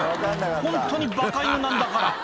ホントにバカ犬なんだから」